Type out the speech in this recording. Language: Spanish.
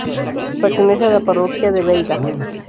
Pertenece a la parroquia de Veiga.